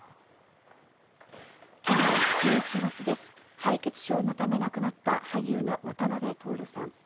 去年１１月、敗血症のため亡くなった俳優の渡辺徹さん。